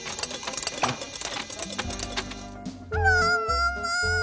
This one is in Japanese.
ももも！